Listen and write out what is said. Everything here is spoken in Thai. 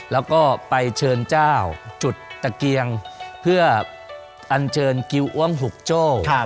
แล้วก็ไปเชิญเจ้าจุดตะเกียงเพื่ออัญเชิญกิวอ้วงหุกโจ้